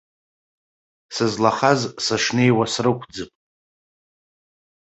Сызлахаз сышнеиуа срықәӡып.